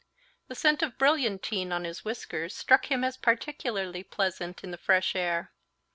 The scent of brilliantine on his whiskers struck him as particularly pleasant in the fresh air.